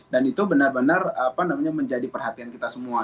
dan itu benar benar menjadi perhatian kita semua